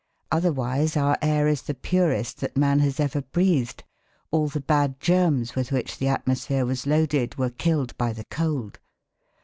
Otherwise our air is the purest that man has ever breathed; all the bad germs with which the atmosphere was loaded were killed by the cold.